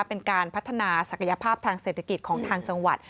เป็นการพัฒนาศักยภาพทางเศรษฐกิจของทางจังหวัด